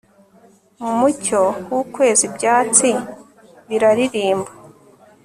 Mu mucyo wukwezi ibyatsi biraririmba